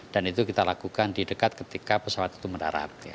dan itu kita lakukan di dekat ketika pesawat itu mendarat